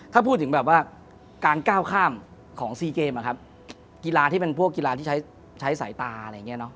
ถ้าพูดถึงแบบว่าการก้าวข้ามของซีเกมอะครับกีฬาที่เป็นพวกกีฬาที่ใช้สายตาอะไรอย่างนี้เนาะ